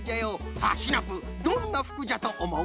さあシナプーどんなふくじゃとおもう？